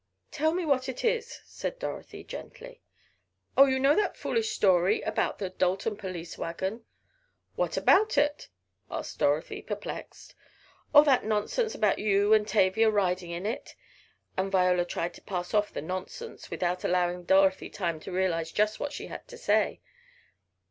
"Tell me what it is," said Dorothy, gently. "Oh, you know that foolish story about the Dalton police wagon " "What about it?" asked Dorothy, perplexed. "Oh, that nonsense about you and Tavia riding in it," and Viola tried to pass off the "nonsense" without allowing Dorothy time to realize just what she had to say.